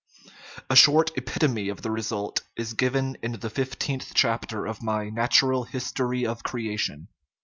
* A short epit ome of the result is given in the fifteenth chapter of my Natural History of Creation.